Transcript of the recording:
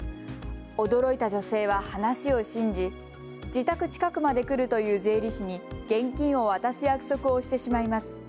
驚いた女性は話を信じ自宅近くまで来るという税理士に現金を渡す約束をしてしまいます。